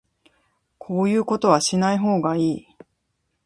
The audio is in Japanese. こういうことはしない方がいい